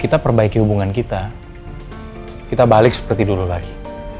kita perbaiki hubungan kita kita balik seperti dulu lagi